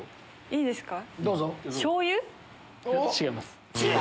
いいですか。